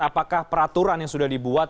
apakah peraturan yang sudah dibuat